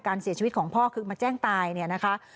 การเสียชีวิตของพ่อคือมาแจ้งตายนะคะ